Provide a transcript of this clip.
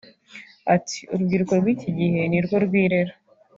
Ati ”Urubyiruko rw’iki gihe ni rwo rwirera